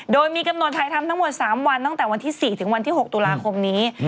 โดยมีกำหนดถ่ายทำทั้งหมด๓วันตั้งแต่วันที่๔ถึงวันที่๖ตุลาคมนี้